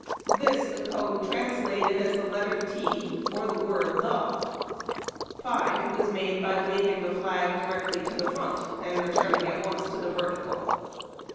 This the code translated as the letter " t " and the word " the." " 5 " was made by waving the flag directly to the front, and returning at once to the vertical.